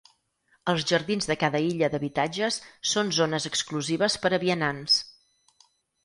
Els jardins de cada illa d'habitatges són zones exclusives per a vianants.